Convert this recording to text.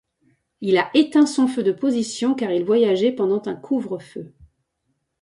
Il a éteint son feu de position car il voyageait pendant un couvre-feu.